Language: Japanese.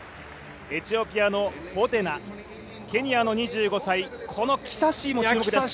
エチオピアのボデナ、ケニアの２５歳このキサシーも注目です。